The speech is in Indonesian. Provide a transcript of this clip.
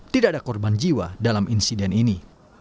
tidak ada korban jiwa dalam insiden ini